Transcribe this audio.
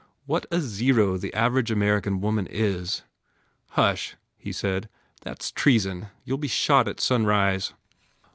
What a zero the average American woman is!" "Hush," he said, "That s treason! You ll be shot at sunrise!"